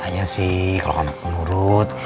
hanya sih kalau anak menurut